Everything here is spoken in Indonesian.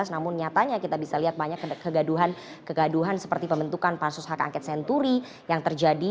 namun nyatanya kita bisa lihat banyak kegaduhan seperti pembentukan pansus hak angket senturi yang terjadi